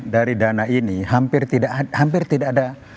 dari dana ini hampir tidak ada